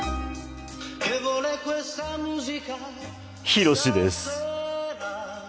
ヒロシです。